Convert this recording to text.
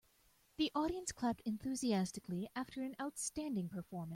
The audience clapped enthusiastically after an outstanding performance.